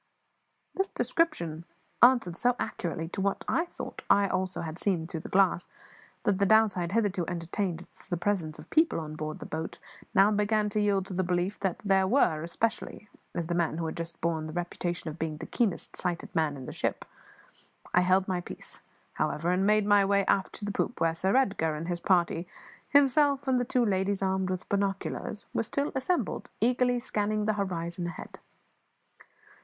This description answered so accurately to what I thought I also had seen through the glass, that the doubts I had hitherto entertained as to the presence of people on board the boat now began to yield to the belief that there were, especially as the man who had just spoken bore the reputation of being the keenest sighted man in the ship. I held my peace, however, and made my way aft to the poop, where Sir Edgar and his party himself and the two ladies armed with binoculars were still assembled, eagerly scanning the horizon ahead.